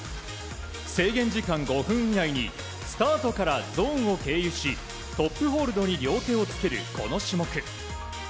制限時間５分以内にスタートからゾーンを経由しトップホールドに両手をつくこの種目。